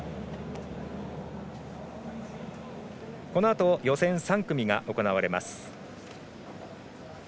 このあと予選３組が行われます。